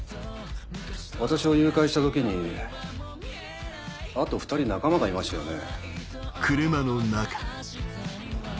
私を誘拐した時にあと２人仲間がいましたよね？